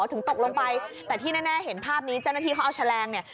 ถึงตกลงไปแต่ที่แน่เห็นภาพนี้เจ้าหน้าที่เขาเอาแฉลงเนี่ย